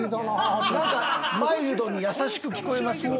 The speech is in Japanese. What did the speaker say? マイルドに優しく聞こえますよね。